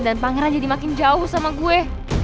dan pangeran jadi makin jauh sama gue